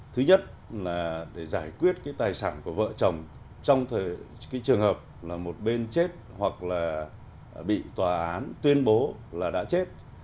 thứ nhất là giải quyết tài sản của vợ chồng trong trường hợp một bên chết hoặc bị tòa án tuyên bố đã chết